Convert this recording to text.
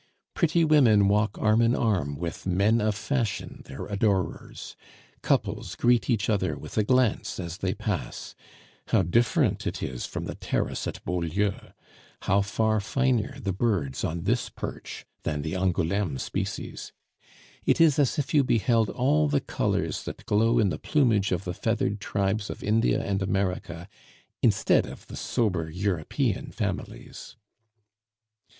Pretty women walk arm in arm with men of fashion, their adorers, couples greet each other with a glance as they pass; how different it is from the terrace at Beaulieu! How far finer the birds on this perch than the Angouleme species! It is as if you beheld all the colors that glow in the plumage of the feathered tribes of India and America, instead of the sober European families.